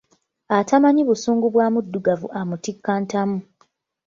Atamanyi busungu bwa Muddugavu amutikka ntamu.